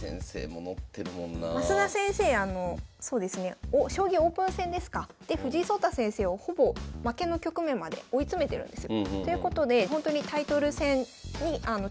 あのそうですね将棋オープン戦ですかで藤井聡太先生をほぼ負けの局面まで追い詰めてるんですよ。ということでほんとにタイトル戦にいつ挑戦してもおかしくない。